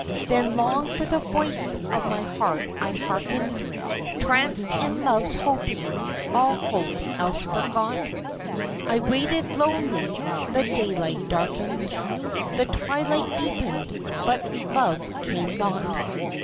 Then long for the voice of my heart I harkened, Tranced in love's hoping all hope else forgot I waited lonely; the daylight darkened, The twilight deepened but love came not.